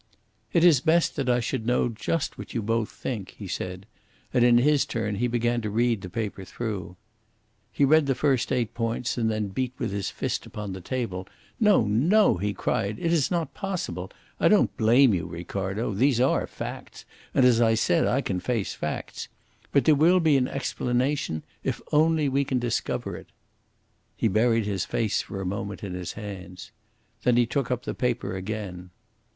"It is best that I should know just what you both think," he said, and in his turn he began to read the paper through. He read the first eight points, and then beat with his fist upon the table. "No no," he cried; "it is not possible! I don't blame you, Ricardo. These are facts, and, as I said, I can face facts. But there will be an explanation if only we can discover it." He buried his face for a moment in his hands. Then he took up the paper again.